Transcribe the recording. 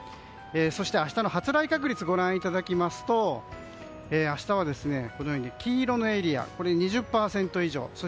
そして明日の発雷確率ご覧いただきますと黄色のエリアは２０％以上です。